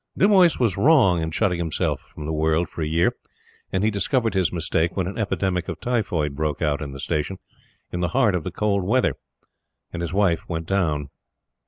Dumoise was wrong in shutting himself from the world for a year, and he discovered his mistake when an epidemic of typhoid broke out in the Station in the heart of the cold weather, and his wife went down.